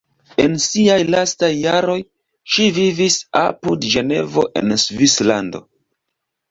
En siaj lastaj jaroj ŝi vivis apud Ĝenevo en Svislando.